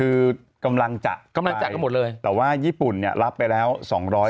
คือกำลังจะกำลังจะก็หมดเลยแต่ว่าญี่ปุ่นเนี่ยรับไปแล้วสองร้อยคน